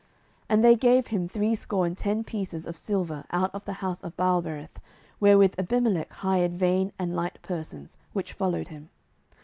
07:009:004 And they gave him threescore and ten pieces of silver out of the house of Baalberith, wherewith Abimelech hired vain and light persons, which followed him.